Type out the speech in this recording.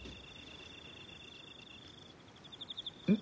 うん？